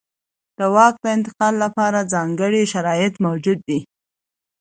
د واک د انتقال لپاره ځانګړي شرایط موجود دي.